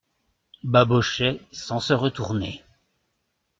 Babochet sans se retourner.